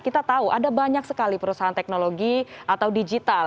kita tahu ada banyak sekali perusahaan teknologi atau digital